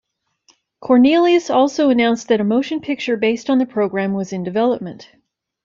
Cornelius also announced that a motion picture based on the program was in development.